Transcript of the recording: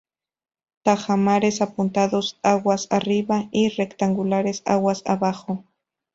Tajamares apuntados aguas arriba y rectangulares aguas abajo.